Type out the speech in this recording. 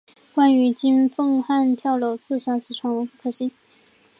关于金凤汉跳楼自杀之传闻不可信。